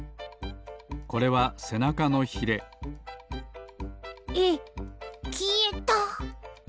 これはせなかのヒレえっきえた！？